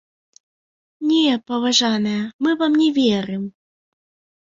Не, паважаныя, мы вам не верым!